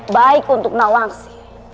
baik untuk nawangsi